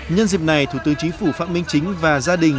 nhân dịp này thủ tướng chính phủ phạm minh chính và gia đình